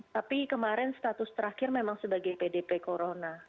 tapi kemarin status terakhir memang sebagai pdp corona